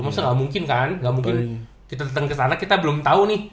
maksudnya ga mungkin kan ga mungkin kita dateng kesana kita belum tau nih